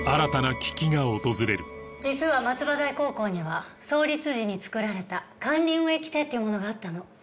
実は松葉台高校には創立時に作られた管理運営規定というものがあったの。